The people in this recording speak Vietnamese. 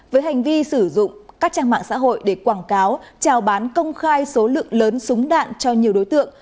với hành vi sử dụng các trang mạng xã hội để quảng cáo trào bán công khai số lượng lớn súng đạn cho nhiều đối tượng